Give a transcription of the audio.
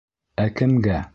Ә кемгә?